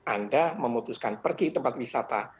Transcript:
anda memutuskan pergi tempat wisata